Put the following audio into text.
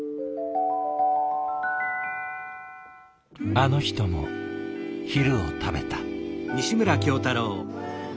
あの人も昼を食べた。